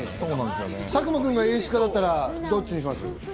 佐久間くんが演出家だったら、どっちにします？